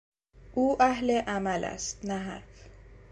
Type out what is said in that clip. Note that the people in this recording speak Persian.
او اهل عمل است نه حرف.